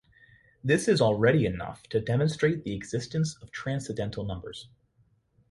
This is already enough to demonstrate the existence of transcendental numbers.